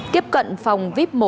kiếp cận phòng vip một